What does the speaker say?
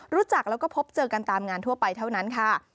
รู้จักแล้วก็พบเจอกันตามงานทั่วไปเท่านั้นค่ะ